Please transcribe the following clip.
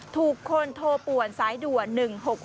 ถูกคนโทรป่วนสายด่วน๑๖๖